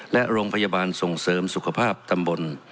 และโรงพยาบาลส่งเสริมสุขภาพตำบล